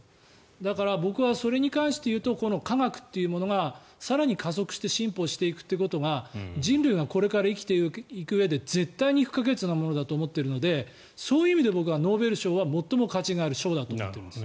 だから、僕はそれに関していうと科学というものが更に加速して進歩していくってことが人類がこれから生きていくうえで絶対に不可欠なものだと思っているのでそういう意味で僕はノーベル賞は最も価値がある賞だと思っています。